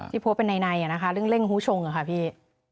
ที่โพสต์เป็นในเรื่องเล่งหูชงค่ะพี่